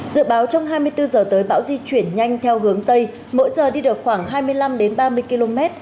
dự báo trong hai mươi bốn h tới bão di chuyển nhanh theo hướng tây mỗi giờ đi được khoảng hai mươi năm ba mươi km